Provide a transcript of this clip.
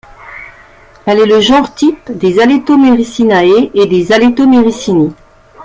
Il est le genre-type des Aletomerycinae et des Aletomerycini.